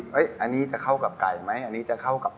ไม่มีตายตัวเลยจะเปลี่ยมไปเรื่อย